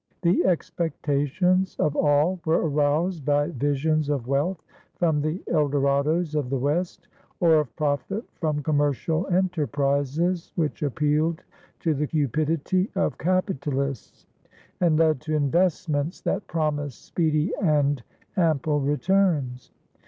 The expectations of all were aroused by visions of wealth from the El Dorados of the West, or of profit from commercial enterprises which appealed to the cupidity of capitalists and led to investments that promised speedy and ample returns.